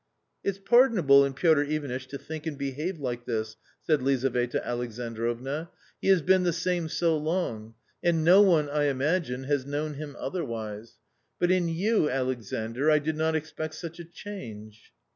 " It's pardonable in Piotr Ivanitch to think and behave like this," said Lizaveta Alexandrovna, " he has been the same so long, and no one, I imagine, has known him other wise; but in you, Alexandr, I did not expect such a change."